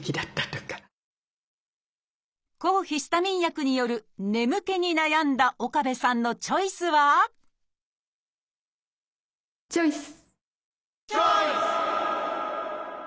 抗ヒスタミン薬による眠気に悩んだ岡部さんのチョイスはチョイス！